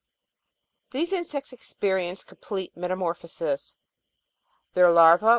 These insects experience complete metamorphosis; their larva?